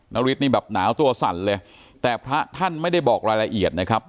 ฤทธินี่แบบหนาวตัวสั่นเลยแต่พระท่านไม่ได้บอกรายละเอียดนะครับ